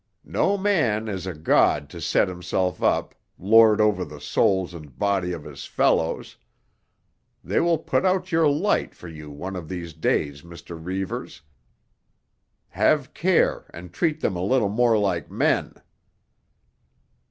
"No man is a god to set himself up, lord over the souls and bodies of his fellows. They will put out your light for you one of these days, Mr. Reivers. Have care and treat them a little more like men."